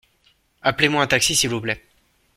Appelez-moi un taxi s’il vous plait.